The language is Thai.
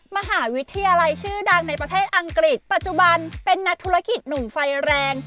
มหาวิทยาลัยชื่อดังในประเทศอังกฤษปัจจุบันเป็นนักธุรกิจหนุ่มไฟแรง